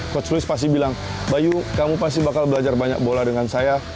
coach louis pasti bilang bayu kamu pasti bakal belajar banyak bola dengan saya